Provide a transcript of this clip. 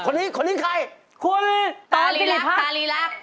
นี่คนนี้ใครคุณตารีรัก